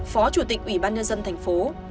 phó chủ tịch ủy ban nhân dân thành phố